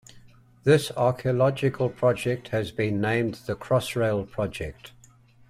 This archaeological project has been named the Crossrail Project.